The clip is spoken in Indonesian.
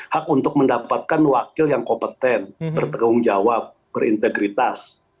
hak untuk mendapatkan wakil yang kompeten bertanggung jawab berintegritas